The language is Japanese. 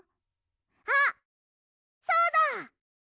あっそうだ！